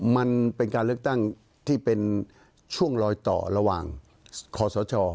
มันเป็นการเลือกตั้งที่เป็นช่วงลอยต่อระหว่างคอสช